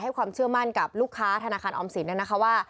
ให้ความเชื่อมั่นกับลูกค้าธนาคารออมศินย์